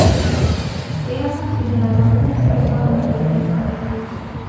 Era considerado un experto en la cuestión campesina.